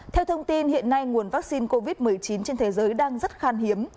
theo thông tin hiện nay nguồn vắc xin covid một mươi chín trên thế giới đang rất khan hiếm